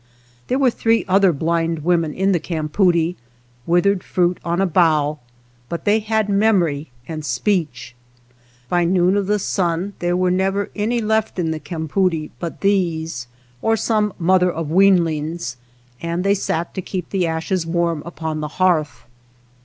There were three other blind women in the campoodie, with ered fruit on a bough, but they had mem ory and speech. By noon of the sun there were never any left in the campoodie but these or some mother of weanlings, and they sat to keep the ashes warm upon the hearth.